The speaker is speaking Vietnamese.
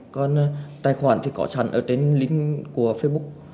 còn tài khoản thì có sẵn ở trên link của facebook